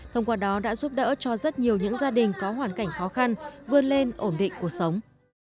thông qua đó đã giúp đỡ cho rất nhiều những gia đình có hoàn cảnh khó khăn vươn lên ổn định cuộc sống